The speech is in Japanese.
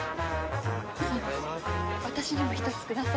私にも１つください。